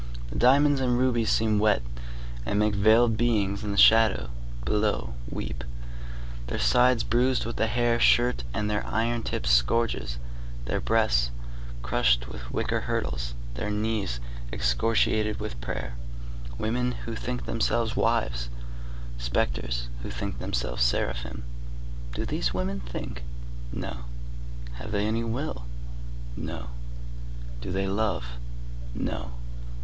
The diamonds and rubies seem wet, and make veiled beings in the shadow below weep, their sides bruised with the hair shirt and their iron tipped scourges, their breasts crushed with wicker hurdles, their knees excoriated with prayer; women who think themselves wives, spectres who think themselves seraphim. Do these women think? No. Have they any will? No. Do they love? No.